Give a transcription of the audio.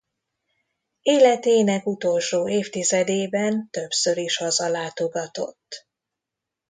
Életének utolsó évtizedében többször is hazalátogatott.